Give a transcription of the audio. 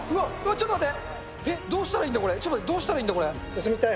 ちょっと待って。